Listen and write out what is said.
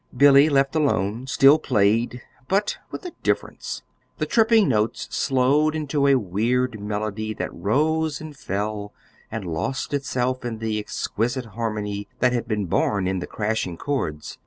Billy, left alone, still played, but with a difference. The tripping notes slowed into a weird melody that rose and fell and lost itself in the exquisite harmony that had been born of the crashing chords.